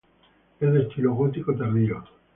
Es de estilo gótico tardío.